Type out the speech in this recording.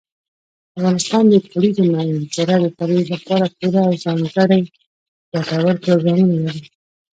افغانستان د کلیزو منظره د ترویج لپاره پوره او ځانګړي ګټور پروګرامونه لري.